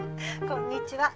こんにちは。